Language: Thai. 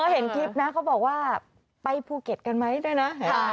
อ๋อเห็นคลิปนะเค้าบอกว่าไปภูเก็ตกันมั้ยได้นะ